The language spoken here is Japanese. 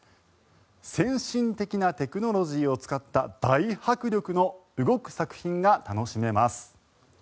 先進的なテクノロジーを使った大迫力の動く作品が楽しめます。